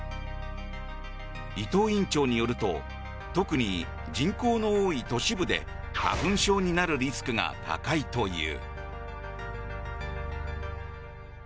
伊東院長によると特に、人口の多い都市部で花粉症になるリスクが高いという。